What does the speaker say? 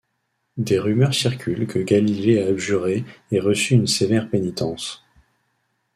Des rumeurs circulent que Galilée a abjuré et reçu une sévère pénitence.